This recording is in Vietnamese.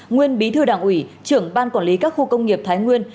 nguyên bí thư đảng ủy trưởng ban quản lý các khu công nghiệp thái nguyên